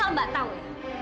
mbak tahu nggak